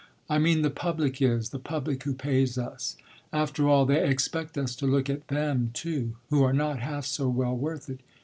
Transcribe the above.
"I mean the public is the public who pays us. After all, they expect us to look at them too, who are not half so well worth it.